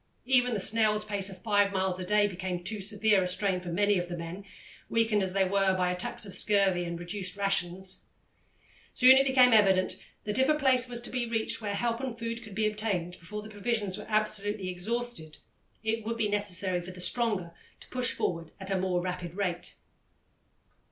Even the snail's pace of five miles a day became too severe a strain for many of the men, weakened as they were by attacks of scurvy and reduced rations. Soon it became evident that if a place were to be reached where help and food could be obtained before the provisions were absolutely exhausted, it would be necessary for the stronger to push forward at a more rapid rate.